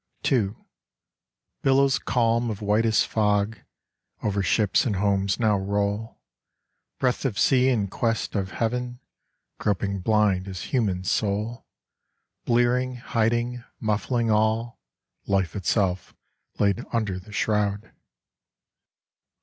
II. Billows calm of whitest fog, Over ships and homes now roll, Breath of seas in quest of heaven, Groping blind as human soul, Blearing, hiding, muffling all, Life itself laid under the shroud!